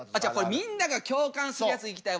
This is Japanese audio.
みんなが共感するやついきたいわ。